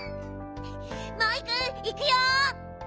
モイくんいくよ！